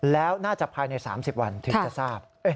แล้วน่าจะภายใน๓๐วันถึงจะทราบ